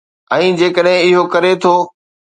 ۽ جيڪڏهن اهو ڪري ٿو.